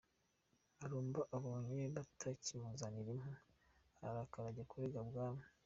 Marumba abonye batakimuzanira impu, ararakara ajya kurega ibwami.